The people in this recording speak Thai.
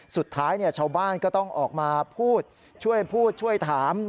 สุดท้ายชาวบ้านก็ต้องออกมาพูดช่วยพูดช่วยถาม